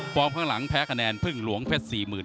พร้อมข้างหลังแพ้คะแนนเพิ่งหลวงแพทย์๔หมื่น